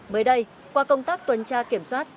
mới đây qua công tác tuần tra kiểm soát